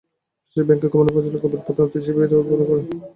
বাংলাদেশ ব্যাংকের গভর্নর ফজলে কবির প্রধান অতিথি হিসেবে এর উদ্বোধন করেন।